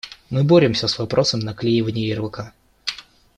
Мы боремся с вопросом наклеивания ярлыка.